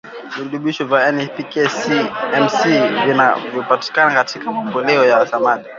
virutubisho N P K Ca Mgs vinavyopatikana katika mbolea ya samadi